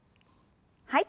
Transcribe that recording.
はい。